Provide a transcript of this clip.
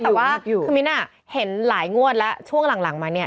แต่ว่าคือมิ้นเห็นหลายงวดแล้วช่วงหลังมาเนี่ย